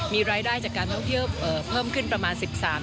มีรายได้จากการท่องเที่ยวเพิ่มขึ้นประมาณ๑๓